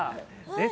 ねっ。